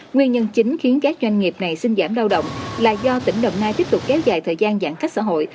nguyên nhân chính khiến các doanh nghiệp này xin giảm đau động là do tỉnh đồng nai tiếp tục kéo dài thời gian giãn cách xã hội